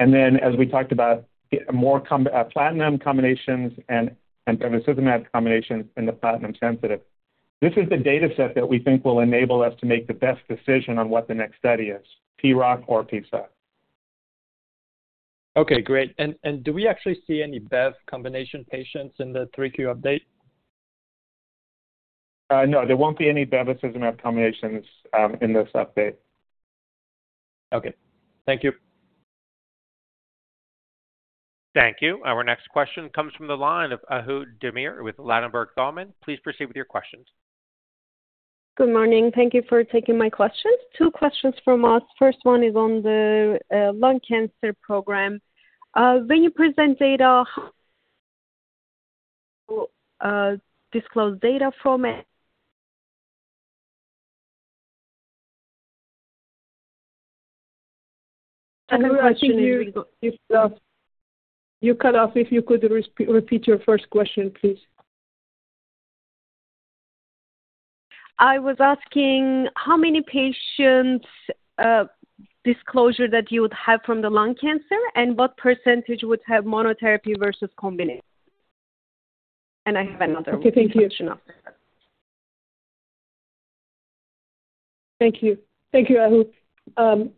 And then, as we talked about, get more platinum combinations and bevacizumab combinations in the platinum-sensitive. This is the dataset that we think will enable us to make the best decision on what the next study is, PROC or PSOC. Okay, great. And do we actually see any Bev combination patients in the 3Q update? No, there won't be any bevacizumab combinations in this update. Okay. Thank you. Thank you. Our next question comes from the line of Ahu Demir with Ladenburg Thalmann. Please proceed with your questions. Good morning. Thank you for taking my questions. Two questions from us. First one is on the lung cancer program. When you present data, disclose data from it- You cut off. If you could repeat your first question, please. I was asking how many patients, disclosure that you would have from the lung cancer, and what percentage would have monotherapy versus combination? And I have another one- Okay, thank you. -after. Thank you. Thank you, Ahu.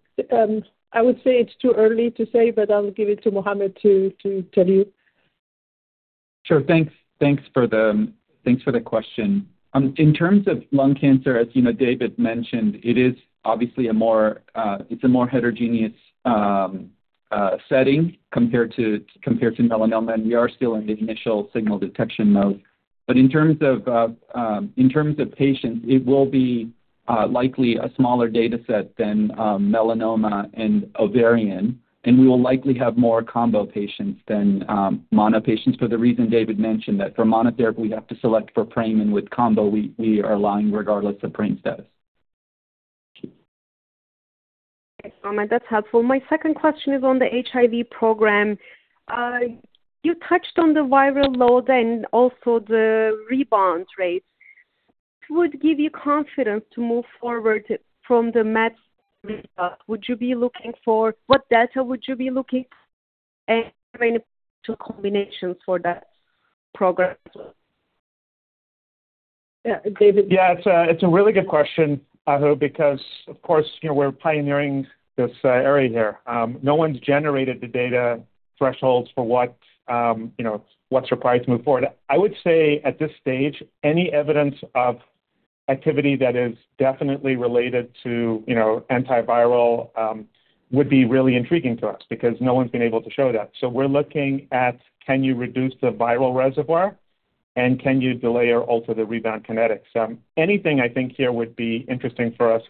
I would say it's too early to say, but I'll give it to Mohammed to tell you. Sure. Thanks, thanks for the, thanks for the question. In terms of lung cancer, as you know, David mentioned, it is obviously a more, it's a more heterogeneous, setting compared to, compared to melanoma, and we are still in the initial signal detection mode. But in terms of, in terms of patients, it will be, likely a smaller dataset than, melanoma and ovarian, and we will likely have more combo patients than, mono patients for the reason David mentioned, that for monotherapy, we have to select for PRAME, and with combo, we, we are allowing regardless of PRAME status. ... Mohammed, that's helpful. My second question is on the HIV program. You touched on the viral load and also the rebound rates. What would give you confidence to move forward from the MAD result? Would you be looking for? What data would you be looking and any two combinations for that program? Yeah, David? Yeah, it's a really good question, Ahu, because of course, you know, we're pioneering this area here. No one's generated the data thresholds for what, you know, what's required to move forward. I would say, at this stage, any evidence of activity that is definitely related to, you know, antiviral, would be really intriguing to us because no one's been able to show that. So we're looking at, can you reduce the viral reservoir, and can you delay or alter the rebound kinetics? Anything I think here would be interesting for us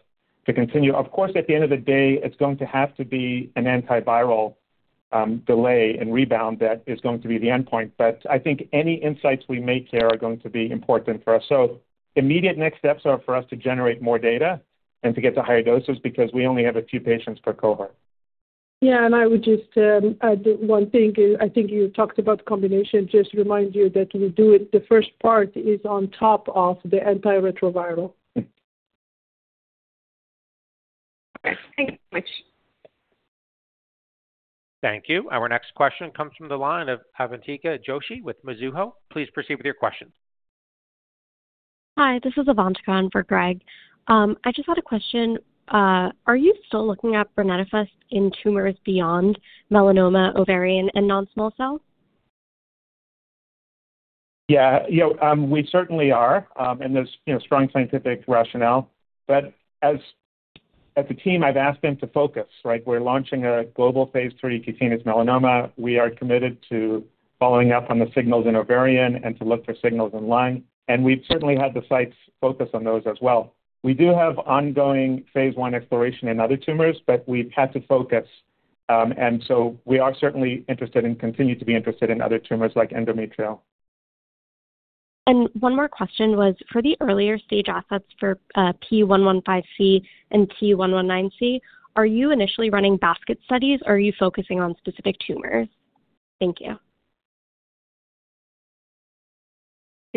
to continue. Of course, at the end of the day, it's going to have to be an antiviral, delay and rebound that is going to be the endpoint. But I think any insights we make here are going to be important for us. Immediate next steps are for us to generate more data and to get to higher doses because we only have a few patients per cohort. Yeah, and I would just add one thing. I think you talked about combination. Just remind you that we do it, the first part is on top of the antiretroviral. Thank you much. Thank you. Our next question comes from the line of Avantika Joshi with Mizuho. Please proceed with your question. Hi, this is Avantika on for Graig. I just had a question. Are you still looking at brenetafusp in tumors beyond melanoma, ovarian, and non-small cell? Yeah, you know, we certainly are, and there's, you know, strong scientific rationale. But as a team, I've asked them to focus, right? We're launching a global phase III cutaneous melanoma. We are committed to following up on the signals in ovarian and to look for signals in lung, and we've certainly had the sites focus on those as well. We do have ongoing phase I exploration in other tumors, but we've had to focus, and so we are certainly interested and continue to be interested in other tumors like endometrial. One more question was, for the earlier stage assets for P115C and T119C, are you initially running basket studies, or are you focusing on specific tumors? Thank you.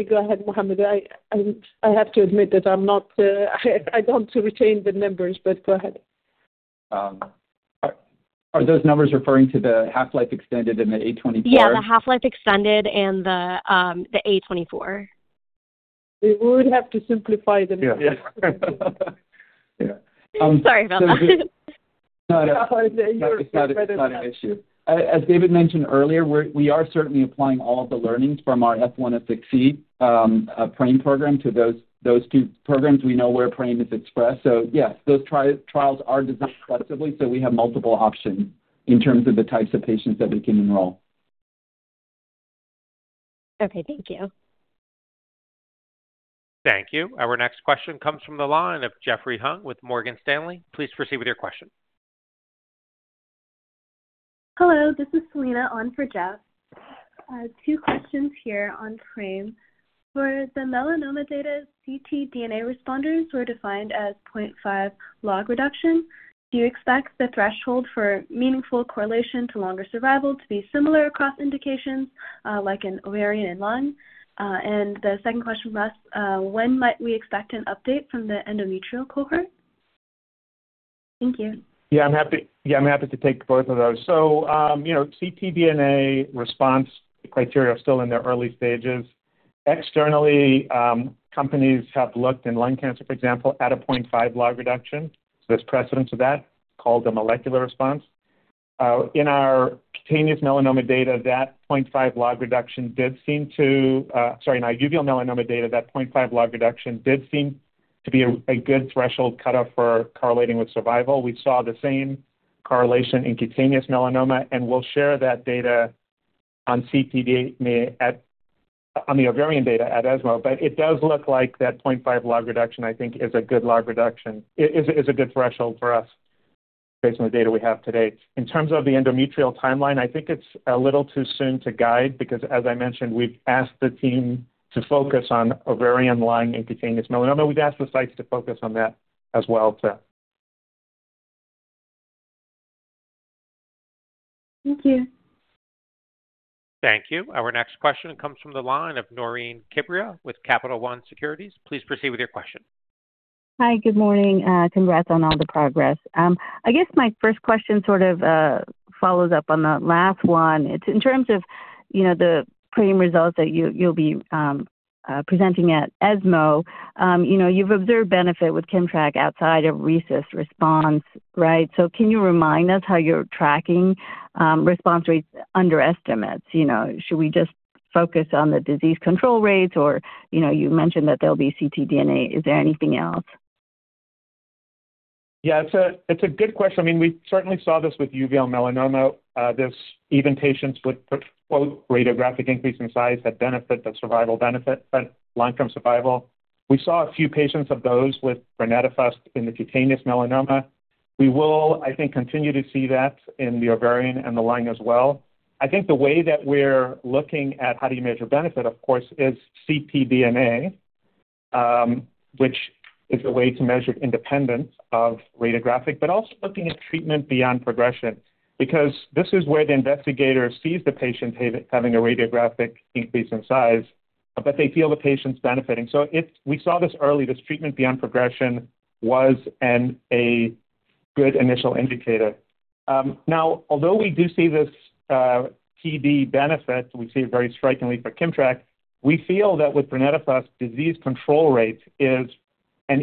Go ahead, Mohammed. I have to admit that I don't tend to retain the numbers, but go ahead. Are those numbers referring to the half-life extended in the A24? Yeah, the half-life extended and the, the A24. We would have to simplify them. Yeah. Yeah. Sorry about that. No, it's not an issue. As David mentioned earlier, we are certainly applying all of the learnings from our phase I to III PRAME program to those two programs. We know where PRAME is expressed, so yes, those three trials are designed flexibly, so we have multiple options in terms of the types of patients that we can enroll. Okay, thank you. Thank you. Our next question comes from the line of Jeffrey Hung with Morgan Stanley. Please proceed with your question. Hello, this is Selena on for Jeff. Two questions here on PRAME. For the melanoma data, ctDNA responders were defined as 0.5 log reduction. Do you expect the threshold for meaningful correlation to longer survival to be similar across indications, like in ovarian and lung? And the second question last, when might we expect an update from the endometrial cohort? Thank you. Yeah, I'm happy to take both of those. So, you know, ctDNA response criteria are still in their early stages. Externally, companies have looked in lung cancer, for example, at a 0.5 log reduction. So there's precedence of that, called a molecular response. In our uveal melanoma data, that 0.5 log reduction did seem to be a good threshold cutoff for correlating with survival. We saw the same correlation in cutaneous melanoma, and we'll share that data on ctDNA at, on the ovarian data at ESMO. But it does look like that 0.5 log reduction, I think, is a good log reduction. It is a good threshold for us, based on the data we have today. In terms of the endometrial timeline, I think it's a little too soon to guide, because as I mentioned, we've asked the team to focus on ovarian, lung, and cutaneous melanoma. We've asked the sites to focus on that as well, too. Thank you. Thank you. Our next question comes from the line of Naureen Quibria with Capital One Securities. Please proceed with your question. Hi, good morning. Congrats on all the progress. I guess my first question sort of follows up on the last one. It's in terms of, you know, the PRAME results that you, you'll be presenting at ESMO. You know, you've observed benefit with KIMMTRAK outside of RECIST response, right? So can you remind us how you're tracking response rates under estimates? You know, should we just focus on the disease control rates, or you know, you mentioned that there'll be ctDNA. Is there anything else? Yeah, it's a good question. I mean, we certainly saw this with uveal melanoma. There's even patients with, quote, radiographic increase in size that benefit, the survival benefit, but long-term survival. We saw a few patients of those with brenetafusp in the cutaneous melanoma. We will, I think, continue to see that in the ovarian and the lung as well. I think the way that we're looking at how do you measure benefit, of course, is ctDNA, which is a way to measure independent of radiographic, but also looking at treatment beyond progression. Because this is where the investigator sees the patient having a radiographic increase in size, but they feel the patient's benefiting. So, we saw this early, this treatment beyond progression was a good initial indicator. Now, although we do see this TBP benefit, we see it very strikingly for KIMMTRAK. We feel that with brenetafusp, disease control rate is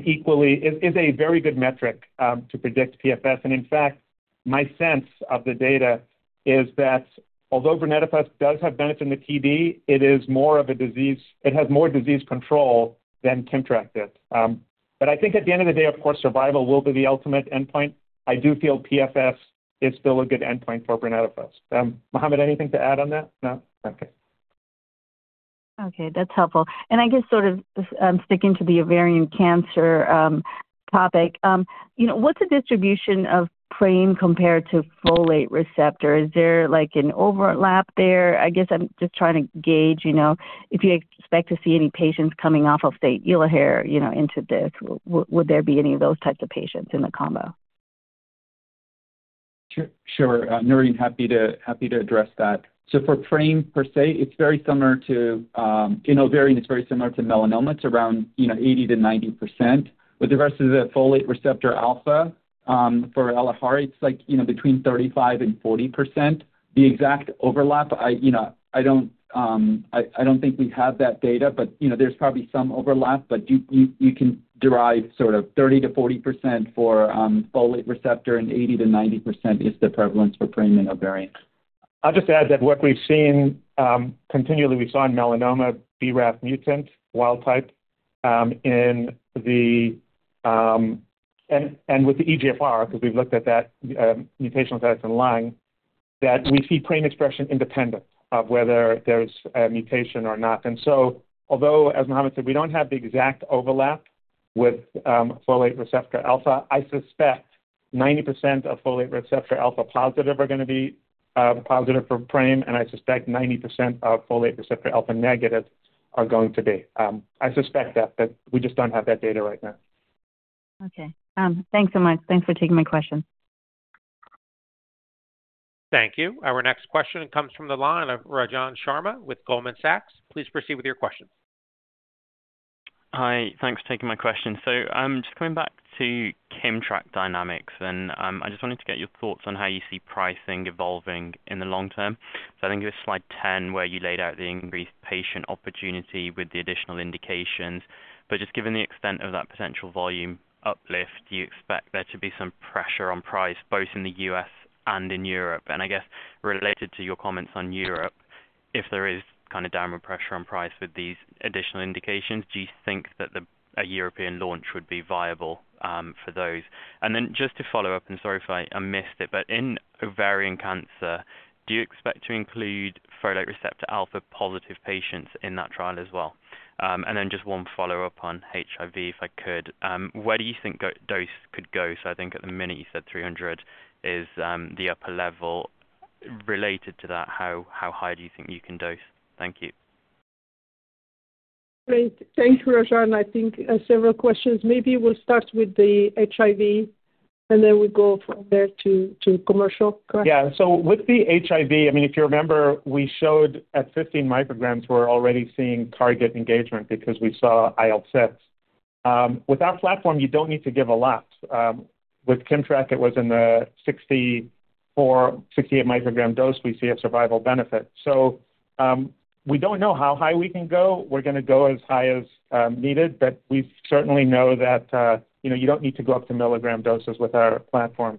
equally a very good metric to predict PFS. And in fact, my sense of the data is that although brenetafusp does have benefit in the TBP, it is more of a disease, it has more disease control than KIMMTRAK did. But I think at the end of the day, of course, survival will be the ultimate endpoint. I do feel PFS is still a good endpoint for brenetafusp. Mohammed, anything to add on that? No. Okay. Okay, that's helpful. I guess sort of, sticking to the ovarian cancer topic, you know, what's the distribution of PRAME compared to folate receptor? Is there, like, an overlap there? I guess I'm just trying to gauge, you know, if you expect to see any patients coming off of the Elahere, you know, into this. Would there be any of those types of patients in the combo? Sure. Naureen, happy to address that. So for PRAME per se, it's very similar to, in ovarian, it's very similar to melanoma. It's around, you know, 80%-90%. With regards to the folate receptor alpha, for Elahere, it's like, you know, between 35% and 40%. The exact overlap, I, you know, I don't think we have that data, but, you know, there's probably some overlap, but you can derive sort of 30%-40% for folate receptor and 80%-90% is the prevalence for PRAME and ovarian. I'll just add that what we've seen continually, we saw in melanoma, BRAF mutant, wild type, with the EGFR, 'cause we've looked at that, mutational status in lung, that we see PRAME expression independent of whether there's a mutation or not. And so although, as Mohammed said, we don't have the exact overlap with folate receptor alpha, I suspect 90% of folate receptor alpha positive are gonna be positive for PRAME, and I suspect 90% of folate receptor alpha negative are going to be. I suspect that, but we just don't have that data right now. Okay. Thanks so much. Thanks for taking my question. Thank you. Our next question comes from the line of Rajan Sharma with Goldman Sachs. Please proceed with your question. Hi, thanks for taking my question. So, just coming back to KIMMTRAK dynamics, and, I just wanted to get your thoughts on how you see pricing evolving in the long term. So I think it was slide 10, where you laid out the increased patient opportunity with the additional indications. But just given the extent of that potential volume uplift, do you expect there to be some pressure on price, both in the U.S. and in Europe? And I guess related to your comments on Europe, if there is kind of downward pressure on price with these additional indications, do you think that a European launch would be viable, for those? And then just to follow up, and sorry if I missed it, but in ovarian cancer, do you expect to include folate receptor alpha-positive patients in that trial as well? Just one follow-up on HIV, if I could. Where do you think the dose could go? So I think at the minute, you said 300 is the upper level. Related to that, how high do you think you can dose? Thank you. Great. Thank you, Rajan. I think, several questions. Maybe we'll start with the HIV, and then we'll go from there to, to commercial. Correct? Yeah. So with the HIV, I mean, if you remember, we showed at 15 mcg, we're already seeing target engagement because we saw IL-6. With our platform, you don't need to give a lot. With KIMMTRAK, it was in the 64-68 mcg dose we see a survival benefit. So, we don't know how high we can go. We're gonna go as high as needed, but we certainly know that, you know, you don't need to go up to milligram doses with our platform.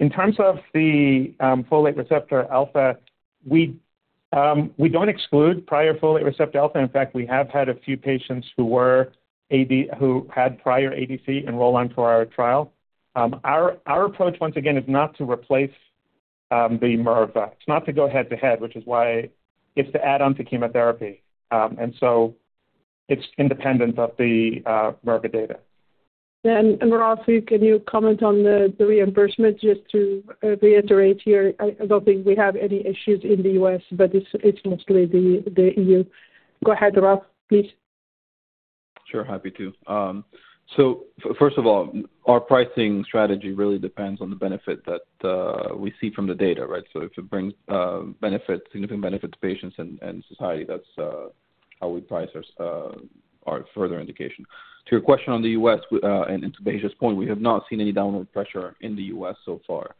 In terms of the folate receptor alpha, we don't exclude prior folate receptor alpha. In fact, we have had a few patients who had prior ADC enroll onto our trial. Our approach, once again, is not to replace the MIRV. It's not to go head-to-head, which is why it's to add on to chemotherapy. And so it's independent of the mirvetuximab data. And Ralph, can you comment on the reimbursement, just to reiterate here? I don't think we have any issues in the US, but it's mostly the EU. Go ahead, Ralph, please. Sure, happy to. So first of all, our pricing strategy really depends on the benefit that we see from the data, right? So if it brings benefit, significant benefit to patients and, and society, that's how we price our, our further indication. To your question on the US, and to Bahija's point, we have not seen any downward pressure in the US so far.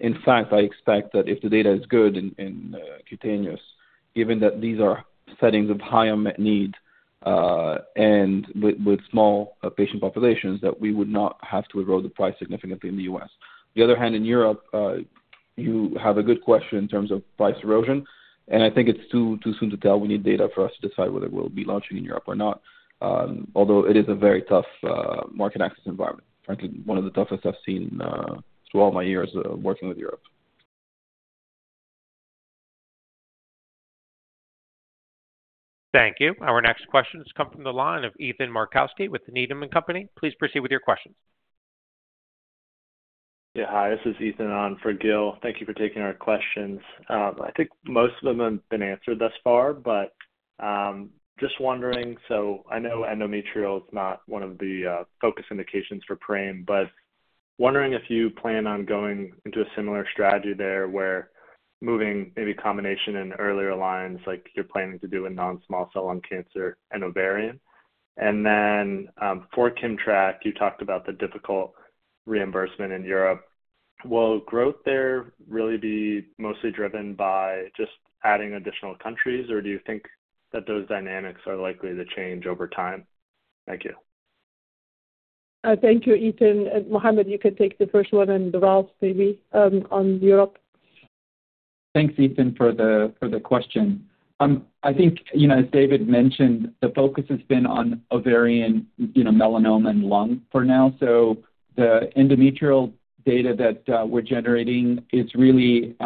In fact, I expect that if the data is good in cutaneous, given that these are settings of high unmet need, and with, with small patient populations, that we would not have to erode the price significantly in the US. The other hand, in Europe, you have a good question in terms of price erosion, and I think it's too, too soon to tell. We need data for us to decide whether we'll be launching in Europe or not, although it is a very tough, market access environment. Frankly, one of the toughest I've seen, through all my years, working with Europe. Thank you. Our next question has come from the line of Ethan Markowski with Needham & Company. Please proceed with your question.... Yeah, hi, this is Ethan on for Gil. Thank you for taking our questions. I think most of them have been answered thus far, but just wondering, so I know endometrial is not one of the focus indications for PRAME, but wondering if you plan on going into a similar strategy there, where moving maybe combination in earlier lines, like you're planning to do a non-small cell lung cancer and ovarian. And then, for KIMMTRAK, you talked about the difficult reimbursement in Europe. Will growth there really be mostly driven by just adding additional countries, or do you think that those dynamics are likely to change over time? Thank you. Thank you, Ethan. Mohammed, you can take the first one, and then Ralph, maybe, on Europe. Thanks, Ethan, for the question. I think, you know, as David mentioned, the focus has been on ovarian, you know, melanoma and lung for now. So the endometrial data that we're generating is really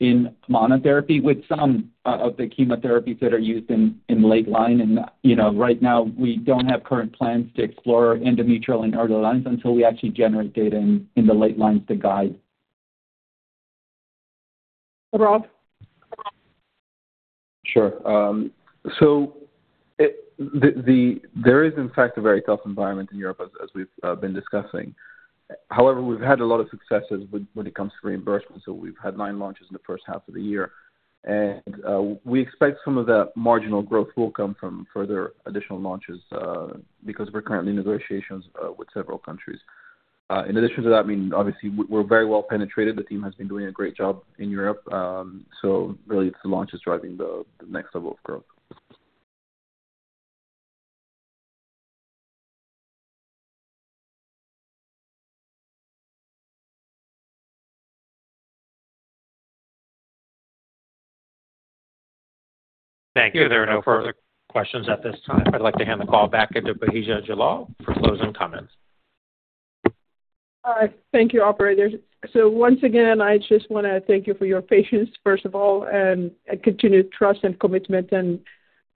in monotherapy with some of the chemotherapies that are used in late line. And, you know, right now, we don't have current plans to explore endometrial and early lines until we actually generate data in the late lines to guide. Ralph? Sure. So there is, in fact, a very tough environment in Europe as we've been discussing. However, we've had a lot of successes when it comes to reimbursement, so we've had nine launches in the first half of the year. We expect some of that marginal growth will come from further additional launches, because we're currently in negotiations with several countries. In addition to that, I mean, obviously, we're very well penetrated. The team has been doing a great job in Europe. So really, it's the launch is driving the next level of growth. Thank you. There are no further questions at this time. I'd like to hand the call back to Bahija Jallal for closing comments. Thank you, operator. So once again, I just wanna thank you for your patience, first of all, and continued trust and commitment, and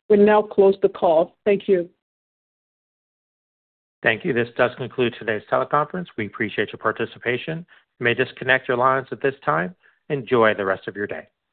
we now close the call. Thank you. Thank you. This does conclude today's teleconference. We appreciate your participation. You may disconnect your lines at this time. Enjoy the rest of your day.